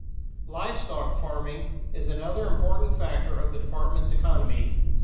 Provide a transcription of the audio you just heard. Livestock farming is another important factor of the department's economy.